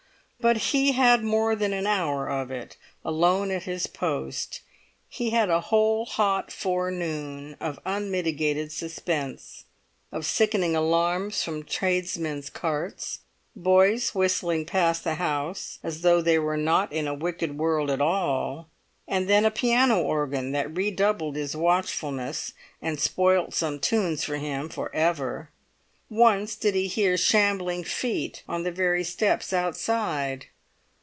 But he had more than an hour of it alone at his post; he had a whole hot forenoon of unmitigated suspense, of sickening alarms from tradesmen's carts, boys whistling past the house as though they were not in a wicked world at all, and then a piano organ that redoubled his watchfulness, and spoilt some tunes for him for ever. Once he did hear shambling feet on the very steps outside.